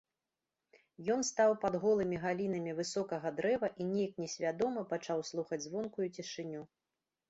Ён стаў пад голымі галінамі высокага дрэва і нейк несвядома пачаў слухаць звонкую цішыню.